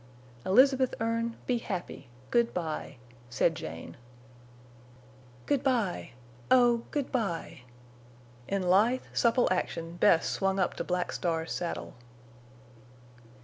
"Elizabeth Erne, be happy! Good by," said Jane. "Good by—oh—good by!" In lithe, supple action Bess swung up to Black Star's saddle.